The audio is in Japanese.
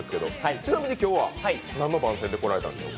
ちなみに今日は何の番宣で来られたんですか？